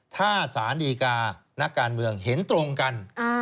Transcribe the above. ถ้าสารดีกานักการเมืองเห็นตรงกัน